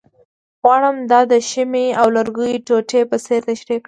غواړم دا د شمعې او لرګیو ټوټې په څېر تشریح کړم،